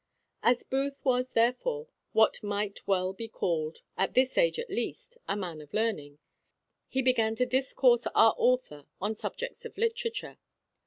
As Booth was therefore what might well be called, in this age at least, a man of learning, he began to discourse our author on subjects of literature.